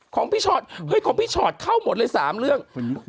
ของพี่ชอตเฮ้ยของพี่ชอตเข้าหมดเลย๓เรื่อง